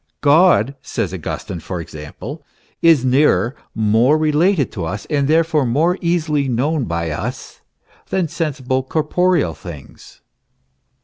"God," says Augustine, for example, "is nearer, more related to us, and therefore more easily known by us, than sensible, corporeal things."